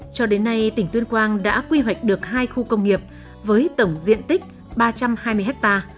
cho đến nay tỉnh tuyên quang đã quy hoạch được hai khu công nghiệp với tổng diện tích ba trăm hai mươi ha